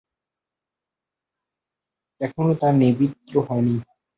এখনও তার নিবৃত্তি হয় নি।